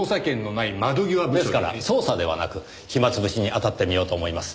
ですから捜査ではなく暇潰しにあたってみようと思います。